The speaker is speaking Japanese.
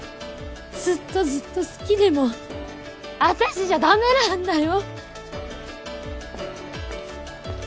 ずっとずっと好きでも私じゃダメなんだよ！